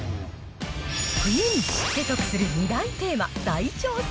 冬に知って得する２大テーマ、大調査